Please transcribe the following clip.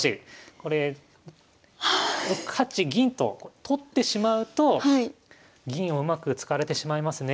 これ６八銀と取ってしまうと銀をうまく使われてしまいますね。